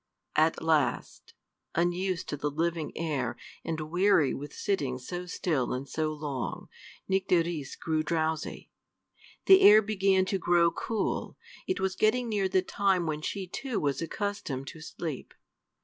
At last, unused to the living air, and weary with sitting so still and so long, Nycteris grew drowsy. The air began to grow cool. It was getting near the time when she too was accustomed to sleep.